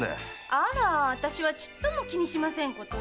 あらあたしはちっとも気にしませんことよ。